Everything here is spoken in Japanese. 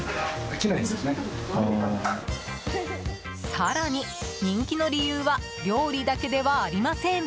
更に、人気の理由は料理だけではありません。